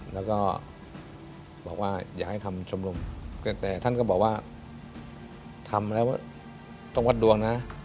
แล้วก็บอกว่าอย่าให้ทำชมรมแต่ท่านก็บอกว่าทำแล้วต้องวัดดวงนะ